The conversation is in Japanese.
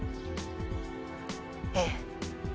ええ。